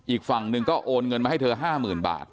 อีกฝั่งหนึ่งก็โอนเงินมาให้เธอ๕๐๐๐บาท